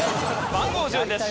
番号順です。